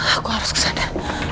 aku harus kesana